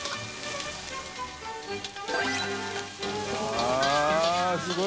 あっすごい！